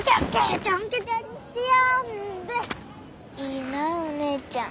いいなお姉ちゃん。